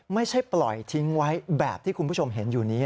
ไม่ใช่ปล่อยทิ้งไว้แบบที่คุณผู้ชมเห็นอยู่นี้